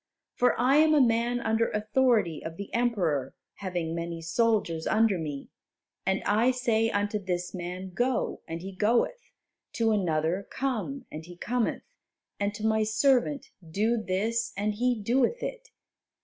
For I am a man under authority of the Emperor, having many soldiers under me, and I say unto this man, 'Go,' and he goeth; to another, 'Come,' and he cometh, and to my servant, 'Do this,' and he doeth it.